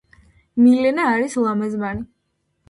მილენა არის ლამაზმანი